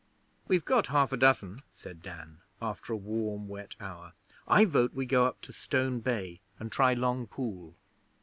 'We've got half a dozen,' said Dan, after a warm, wet hour. 'I vote we go up to Stone Bay and try Long Pool.'